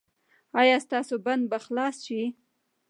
ایا ستاسو بند به خلاص شي؟